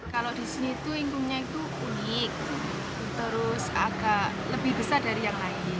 kalau di sini itu ingkungnya itu unik terus agak lebih besar dari yang lain